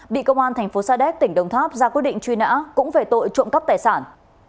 bị công an thành phố sa đéc tỉnh đồng tháp ra quyết định truy nã cũng về tội trộm cắp tài sản